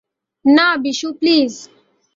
না, বিশু, প্লীজ।